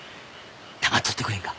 黙っとってくれんか？